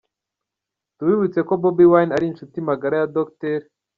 Tubibutse ko Bobi Wine ari inshuti magara ya Dr.